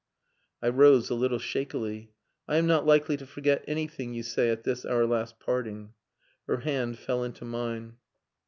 I rose, a little shakily. "I am not likely to forget anything you say at this our last parting." Her hand fell into mine.